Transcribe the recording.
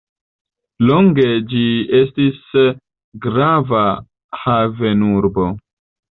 Longe ĝi estis grava havenurbo.